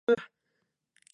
山手線、高田馬場駅